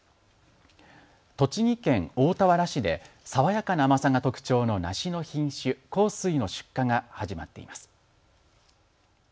栃木県大田原市で爽やかな甘さが特徴の梨の品種、幸水の出荷が始まっています。